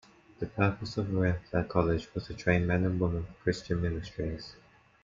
The purpose of Maranatha College was to train men and women for Christian ministries.